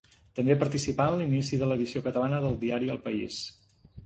També participà en l'inici de l'edició catalana del diari El País.